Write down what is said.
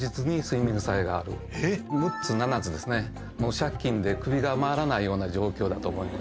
借金で首が回らないような状況だと思います。